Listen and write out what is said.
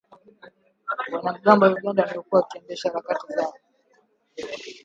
Wanamgambo wa Uganda wamekuwa wakiendesha harakati zao